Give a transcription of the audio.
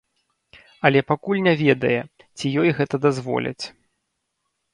Але пакуль не ведае, ці ёй гэта дазволяць.